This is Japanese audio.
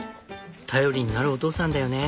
頼りになるお父さんだよね。